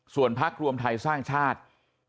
ส่วนพักรวมไทยสร้างชาติ